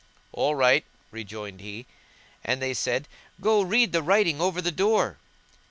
"All right," rejoined he, and they said, "Go read the writing over the door."